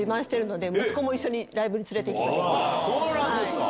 そうなんですか！